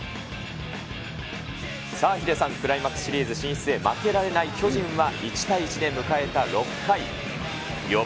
さあ、ヒデさん、クライマックスシリーズ進出へ負けられない巨人は１対１で迎えた６回。